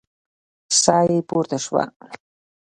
ساه يې پورته شوه.